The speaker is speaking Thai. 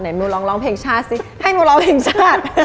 หนูลองร้องเพลงชาติสิให้หนูร้องเพลงชาติ